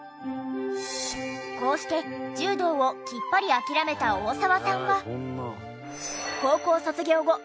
こうして柔道をきっぱり諦めた大澤さんは。